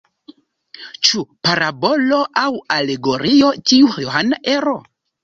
Ĉu parabolo aŭ alegorio tiu johana ero?